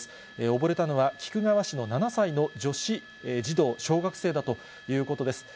おぼれたのは菊川市の７歳の女子児童、小学生だということです。